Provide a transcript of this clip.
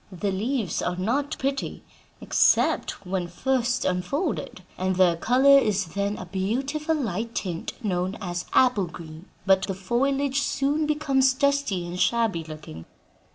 The leaves are not pretty except when first unfolded, and their color is then a beautiful light tint known as apple green. But the foliage soon becomes dusty and shabby looking.